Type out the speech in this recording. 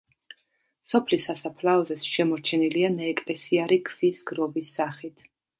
სოფლის სასაფლაოზე შემორჩენილია ნაეკლესიარი ქვის გროვის სახით.